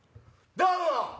どうも！